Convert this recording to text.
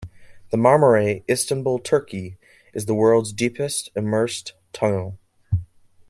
The Marmaray, Istanbul, Turkey, is the world's deepest immersed tunnel.